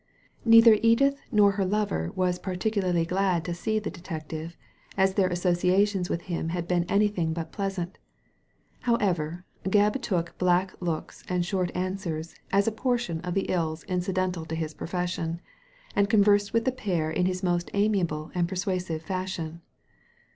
Neither Edith nor her lover was particularly glad to see the detective, as their associations with him had been anything but pleasant However, Gebb took black looks and short answers as a portion of the ills incidental to his pro fession, and conversed with the pair in his most amiable and persuasive fashion.